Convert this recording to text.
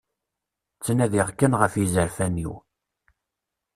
Ttnadiɣ kan ɣef yizerfan-iw.